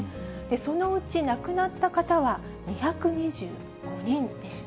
そのうち亡くなった方は２２５人でした。